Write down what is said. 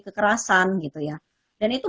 kekerasan gitu ya dan itu